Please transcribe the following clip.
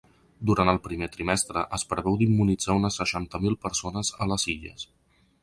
Durant el primer trimestre es preveu d’immunitzar unes seixanta mil persones a les Illes.